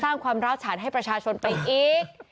สร้างความร้าวฉานให้ประชาชนไปอีก